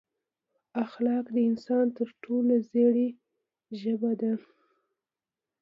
اخلاق د انسان تر ټولو زړې ژبې ده.